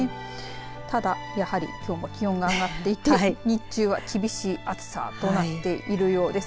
ただ、きょうもやはり気温が上がっていて日中は厳しい暑さとなっているようです。